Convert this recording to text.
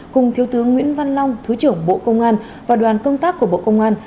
cùng thiếu tướng nguyễn văn long thứ trưởng bộ công an và đoàn công tác của bộ công an